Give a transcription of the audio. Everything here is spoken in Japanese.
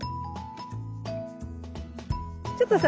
ちょっとさ